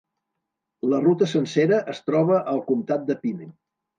La ruta sencera es troba al comtat de Pine.